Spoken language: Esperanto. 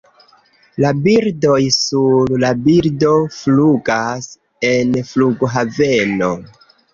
La birdoj, Sur la bildo, flugas en flughaveno.